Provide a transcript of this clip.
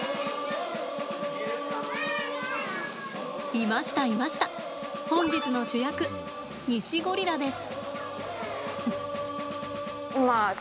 いました、いました本日の主役、ニシゴリラです。